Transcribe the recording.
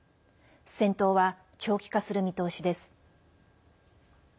戦闘は長期化する見通しです。